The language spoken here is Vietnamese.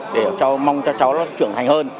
để cháu mong cho cháu nó trưởng thành hơn